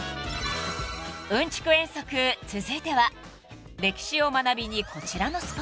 ［『うんちく遠足』続いては歴史を学びにこちらのスポットへ］